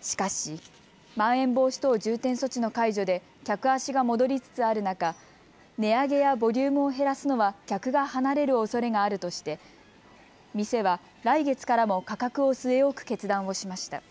しかし、まん延防止等重点措置の解除で客足が戻りつつある中、値上げやボリュームを減らすのは客が離れるおそれがあるとして店は来月からも価格を据え置く決断をしました。